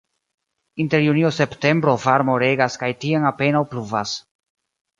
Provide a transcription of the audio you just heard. Inter junio-septembro varmo regas kaj tiam apenaŭ pluvas.